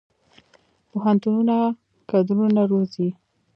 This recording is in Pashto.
پوهنتونونه کادرونه روزي